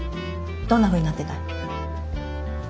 どんなふうになってたい？